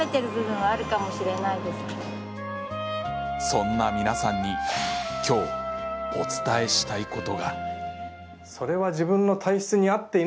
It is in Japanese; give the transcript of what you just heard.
そんな皆さんにきょうお伝えしたいことが。